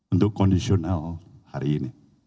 untuk conditional hari ini